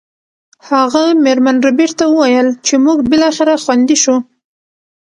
هغه میرمن ربیټ ته وویل چې موږ بالاخره خوندي شو